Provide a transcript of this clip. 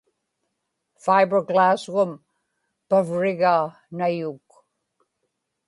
fiber glass-gum pauvrigaa Nayuk